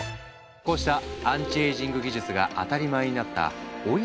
こうしたアンチエイジング技術が当たり前になった老い